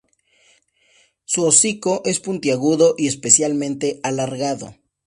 Su hocico es puntiagudo y especialmente alargado.